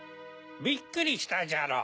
びっくりしたじゃろ。